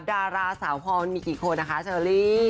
ดาราสาวพรมีกี่คนนะคะเชอรี่